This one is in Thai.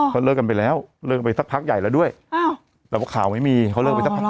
เขาเลิกกันไปแล้วเลิกกันไปสักพักใหญ่แล้วด้วยแต่ว่าข่าวไม่มีเขาเลิกไปสักพัก